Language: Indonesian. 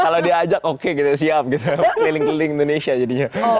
kalau diajak oke gitu siap gitu keliling keliling indonesia jadinya